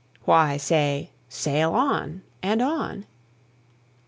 "Why say, sail on! and on!"